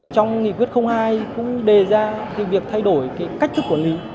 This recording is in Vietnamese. trong nghị quyết hai cũng đề ra việc thay đổi cách thức quản lý